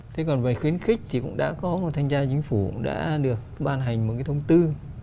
thế còn về khuyến khích thì cũng đã có một thanh tra chính phủ đã được ban hành một cái thông tư